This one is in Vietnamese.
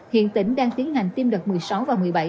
hiện tỉnh đang tiến hành tiêm đợt một mươi sáu và một mươi bảy